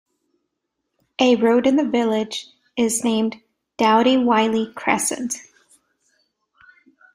A road in the village is named Doughty-Wylie Crescent.